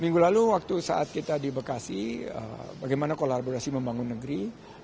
minggu lalu waktu saat kita di bekasi bagaimana kolaborasi membangun negeri